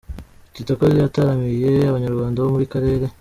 Kitoko yataramiye Abanyarwanda bo mu karere